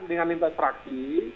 dengan minta fraksi